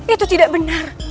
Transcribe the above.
itu tidak benar